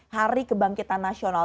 hari kebangkitan nasional